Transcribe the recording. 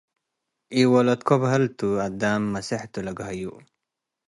ኢወለድኮ በሃልቱ - አዳም መስሕቱ ለገሀዩ